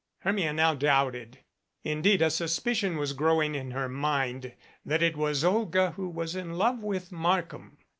Hermia now doubted. Indeed a suspicion was growing in her mind that it was Olga who was in love with Markham.